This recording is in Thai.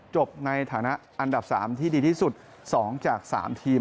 จบในฐานะอันดับ๓ที่ดีที่สุด๒จาก๓ทีม